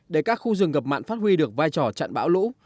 để các khu dừng ngập mặn phát huy được vai trò chặn bão lũ